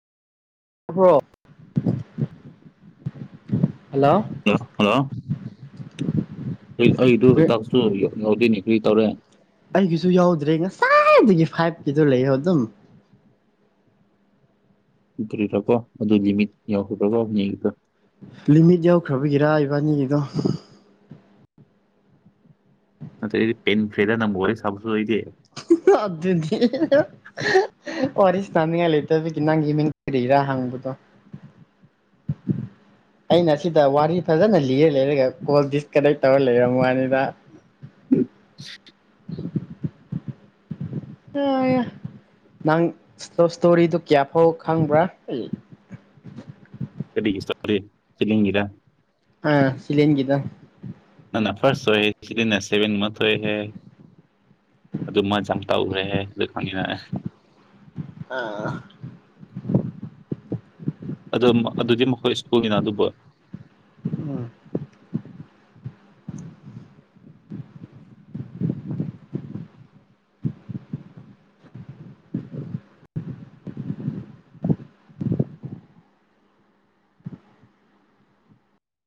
ꯈ꯭ꯔꯣ hello. Hello hello. [inaudible] ꯑꯩꯗꯨ ꯇꯛꯁꯨ ꯉꯧꯗꯅꯤ ꯀ꯭ꯔꯤ ꯇꯧꯔꯦ ꯑꯩꯒꯤꯁꯨ ꯌꯥꯎꯗ꯭ꯔꯦ ꯉꯁꯥꯏꯗꯒꯤ ꯐꯥꯏꯚꯀꯤꯗꯣ ꯂꯩꯌꯣ ꯑꯗꯨꯝ ꯎꯈꯔꯤꯔꯀꯣ ꯑꯗꯨ ꯂꯤꯃꯤꯠ ꯌꯥꯎꯈ꯭ꯔꯀꯣ ꯌꯦꯛꯇ ꯂꯤꯃꯤꯠ ꯌꯧꯈ꯭ꯔꯕꯒꯤꯔꯥ ꯏꯕꯥꯅꯤꯒꯤꯗꯣ ꯭ꯔ ꯄꯦꯟ ꯐ꯭ꯂꯗ ꯅ ꯍ ꯋꯥꯔꯤꯔ ꯁꯥꯕꯁꯨꯦ ꯍꯥꯗꯤ ꯋꯥꯔꯤꯔꯤ ꯁꯅꯥꯃꯤꯉ ꯂꯩꯇ ꯀ ꯅꯪꯒꯤ ꯃꯤꯔ ꯍꯪꯕꯗꯣ ꯎꯝ [unintelligible] ꯑꯩꯅ ꯁꯤꯗ ꯋꯥꯔꯤ ꯐꯖꯅ ꯂꯤꯔ ꯂꯩꯔꯒ ꯀꯣꯜ ꯗꯤꯁꯀꯅꯦꯛ ꯇꯧꯔ ꯂꯩꯔꯝ ꯋꯥꯅꯤꯗ [unintelligible] ꯅꯪꯞ ꯏꯁꯇꯣꯔꯤꯗꯨ ꯀꯌꯥ ꯐꯥꯎ ꯈꯪꯕ꯭ꯔꯥ ꯀ ꯁꯤꯂꯤꯒꯤꯔ ꯑ ꯁꯤꯂꯦꯟꯒꯤꯗꫭ ꯅ ꯅ ꯐꯥꯁ ꯑꯣꯏꯦ ꯁꯤ ꯁꯦꯚꯦꯟ ꯃꯟꯊ ꯑꯣꯏꯍꯦ ꯑꯗꯨ ꯃꯁ ꯌꯥꯝ ꯇꯧꯈ꯭ꯔꯦꯍꯦ ꯑꯗꯨ ꯈꯪꯉꯤꯅ ꯑ ꯑꯗꯣ ꯑꯗꯨꯗꯤ ꯃꯈꯣꯏ ꯁ꯭ꯀꯨꯜꯒꯤꯅ ꯑꯗꯨꯕꯨ ꯎꯝ